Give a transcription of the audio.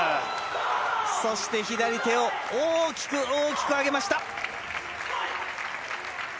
そして左手を大きく大きく上げました。